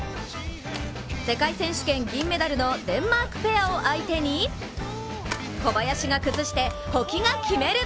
世界選手権銀メダルのデンマークペアを相手に小林が崩して、保木が決める。